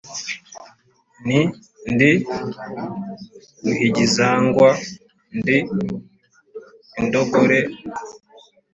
Nti : Ndi Ruhigizangwa ndi indogore